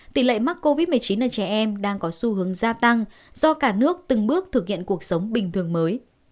tỷ lệ mắc covid một mươi chín ở trẻ em đang có xu hướng gia tăng do cả nước từng bước thực hiện cuộc sống bình thường mới